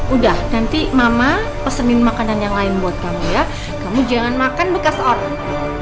udah nanti mama pesenin makanan yang lain buat kamu ya kamu jangan makan bekas orang